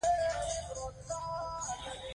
لیکوال په خپل نثر کې.